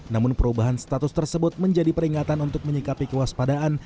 namun perubahan status tersebut menjadi peringatan untuk menyikapi kewaspadaan